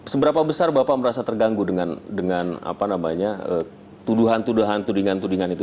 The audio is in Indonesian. seberapa besar bapak merasa terganggu dengan tuduhan tuduhan tudingan tudingan itu